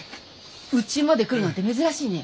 うちまで来るなんて珍しいね。